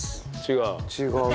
違う？